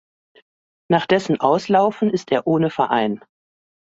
Nach dessen Auslaufen ist er ohne Verein.